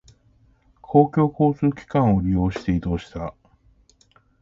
公共交通機関を利用して移動した。